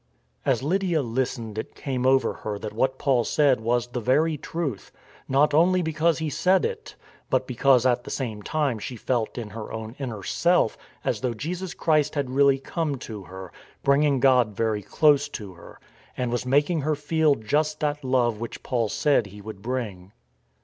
As Lydia listened it came over her that what Paul said was the very truth; not only because he said it, but because at the same time she felt in her own inner self as though Jesus Christ had really come to her, bringing God very close to her, and was making her feel just that love which Paul said He would bring.